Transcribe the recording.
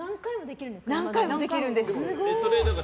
何回もできるんですか？